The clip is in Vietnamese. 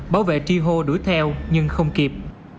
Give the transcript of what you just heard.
bảo vệ tri hô đuổi theo nhưng không kịp